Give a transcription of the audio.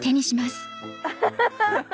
アハハハ！